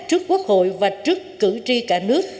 trước quốc hội và trước cử tri cả nước